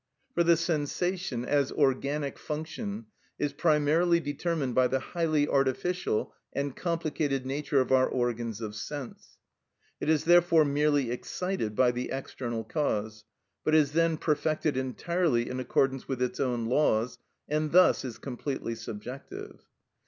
For the sensation, as organic function, is primarily determined by the highly artificial and complicated nature of our organs of sense. It is therefore merely excited by the external cause, but is then perfected entirely in accordance with its own laws, and thus is completely subjective.